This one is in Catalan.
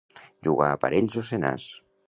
Jugar a parells o senars.